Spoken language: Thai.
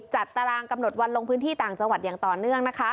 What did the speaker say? ตารางกำหนดวันลงพื้นที่ต่างจังหวัดอย่างต่อเนื่องนะคะ